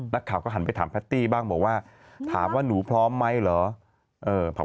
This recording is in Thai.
นักข่าวก็หันไปถามแพตตี้บ้างบอกว่าถามว่าหนูพร้อมไหมเหรอ